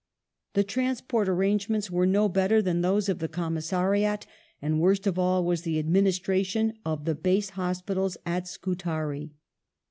The transport an angements were no better than those of the commissariat, and worst of all was the ad ministration of the base hospitals at Scutari.